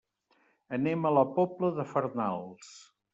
Anem a la Pobla de Farnals.